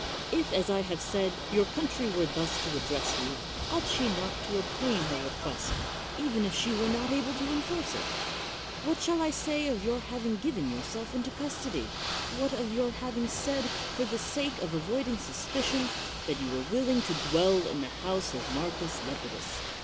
If, as I have said, your country were thus to address you, ought she not to obtain her request, •even if jshe were not able to enforce it ? What shall I say of your having given yourself into custody? what of your having said, for the sake of avoiding suspicion, that you were willing to dwell in the house of Marcus Lepidus?